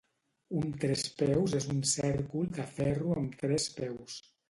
Un trespeus és un cèrcol de ferro amb tres peus.